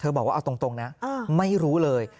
บอกว่าเอาตรงนะไม่รู้เลย